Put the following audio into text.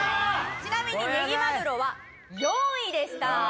ちなみにねぎまぐろは４位でした。